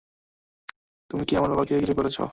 তুমি কি আমার বাবাকে কিছু করেছ?